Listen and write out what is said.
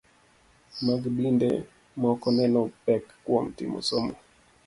Mag dinde moko neno pek kuom timo somo